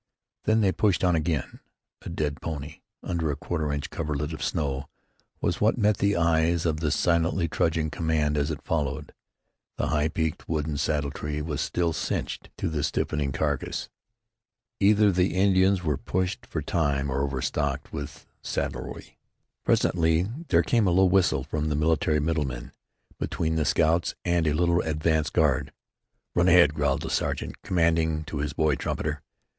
Then they pushed on again. A dead pony, under a quarter inch coverlet of snow, was what met the eyes of the silently trudging command as it followed. The high peaked wooden saddle tree was still "cinched" to the stiffening carcass. Either the Indians were pushed for time or overstocked with saddlery. Presently there came a low whistle from the military "middleman" between the scouts and a little advance guard. "Run ahead," growled the sergeant commanding to his boy trumpeter.